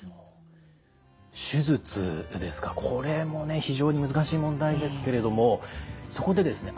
手術ですかこれもね非常に難しい問題ですけれどもそこでですね